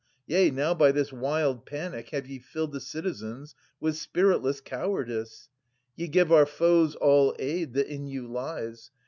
190 Yea, now by this wild panic have ye filled The citizens with spiritless cowardice. Ye give our foes all aid that in you lies